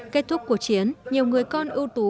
kết thúc của chiến nhiều người con ưu tú